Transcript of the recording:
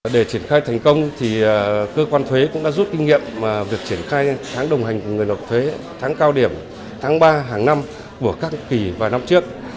để triển khai thành công thì cơ quan thuế cũng đã rút kinh nghiệm việc triển khai tháng đồng hành của người nộp thuế tháng cao điểm tháng ba hàng năm của các kỳ vài năm trước